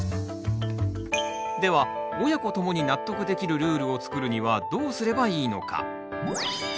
では親子ともに納得できるルールを作るにはどうすればいいのか？